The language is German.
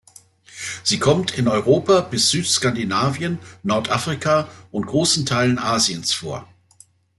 Sie kommt in Europa bis Südskandinavien, Nordafrika und großen Teilen Asiens vor.